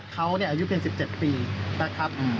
เขาอายุเพียง๑๗ปีนะครับ